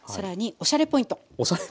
おしゃれポイント。